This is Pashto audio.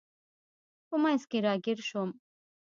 په منځ کې راګیر شوم.